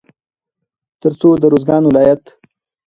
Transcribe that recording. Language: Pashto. تر څو د روزګان ولايت